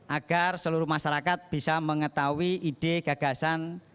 agar seluruh masyarakat bisa mengetahui ide gagasan